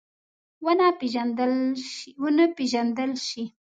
ونه پېژندل شي.